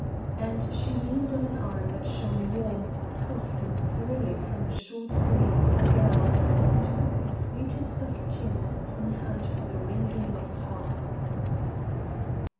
and she leaned on an arm that shone warm, soft, and thrilling from the short sleeve of her gown, and put the sweetest of chins upon a hand for the wringing of hearts.